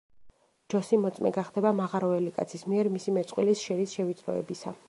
ჯოსი მოწმე გახდება მაღაროელი კაცის მიერ მისი მეწყვილის, შერის შევიწროებისა.